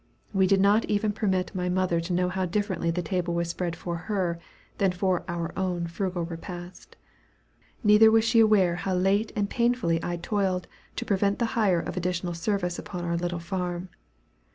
We did not even permit my mother to know how differently the table was spread for her than for our own frugal repast. Neither was she aware how late and painfully I toiled to prevent the hire of additional service upon our little farm.